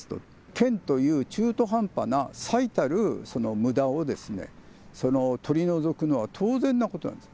県という中途半端な最たるそのむだをですね、取り除くのは当然なことなんです。